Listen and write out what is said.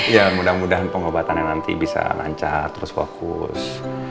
ya mudah mudahan pengobatannya nanti bisa lancar terus fokus